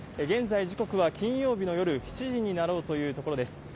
現在、時刻は金曜日の夜７時になろうというところです。